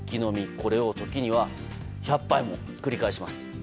これを時には１００杯も繰り返します。